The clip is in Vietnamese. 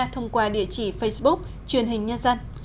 thông qua địa chỉ facebook truyền hình nhân dân